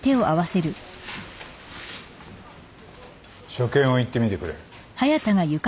所見を言ってみてくれ。